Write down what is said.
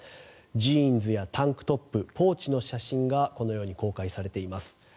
ジーンズやタンクトップポーチの写真がこのように公開されています。